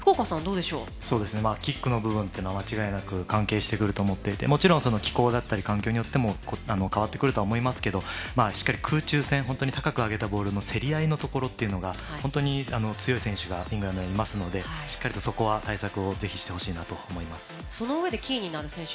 キックの部分というのは間違いなく関係してくると思っていてもちろん、気候だったりで変わってくるとは思いますけど空中戦、高く上がったボールの競り合いのところっていうのが本当に強い選手がイングランドにはいますのでしっかりと、そこは対策をそのうえでキーになる選手